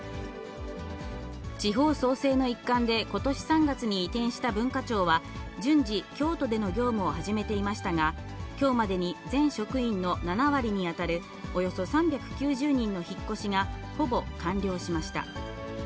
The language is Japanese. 地方創生の一環で、ことし３月に移転した文化庁は、順次、京都での業務を始めていましたが、きょうまでに全職員の７割に当たるおよそ３９０人の引っ越しがほぼ完了しました。